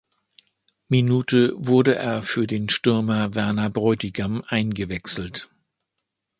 Minute wurde er für den Stürmer Werner Bräutigam eingewechselt.